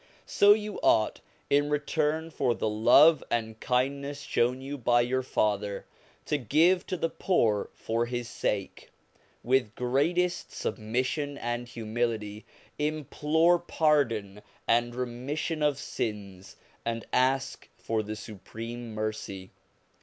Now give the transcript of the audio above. So you ought, in return for the love and kindness shown you by your father, to give to the poor for his sake, with greatest submission and humility implore pardon and remission of sins, and ask for the supreme mercy.